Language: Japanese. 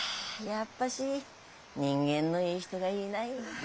やっぱし人間のいい人がいいない。